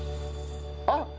あっ！